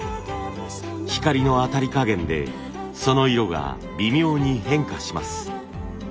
光の当たり加減でその色が微妙に変化します。